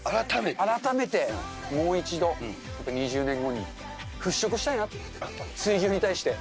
改めてもう一度、２０年後に払拭したいな、水牛に対して。